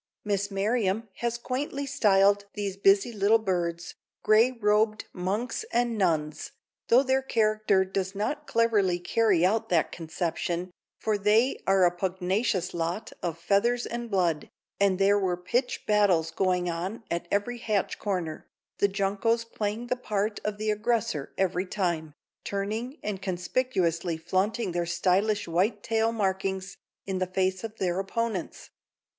Miss Merriam has quaintly styled these busy little birds: "Gray robed monks and nuns," though their character does not cleverly carry out that conception, for they are a pugnacious lot of feathers and blood, and there were pitch battles going on at every hatch corner, the juncos playing the part of the aggressor every time, turning and conspicuously flaunting their stylish white tail markings in the face of their opponents.